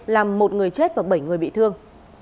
làm một người chết và bảy người bị thương